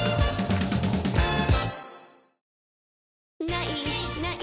「ない！ない！